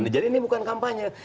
jadi ini bukan kampanye